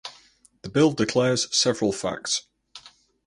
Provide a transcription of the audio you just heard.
The bill declares several facts.